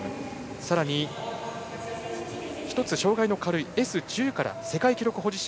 さらに、１つ障がいの軽いＳ１０から世界記録保持者